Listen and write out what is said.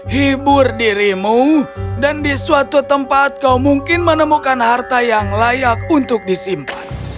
hibur dirimu dan di suatu tempat kau mungkin menemukan harta yang layak untuk disimpan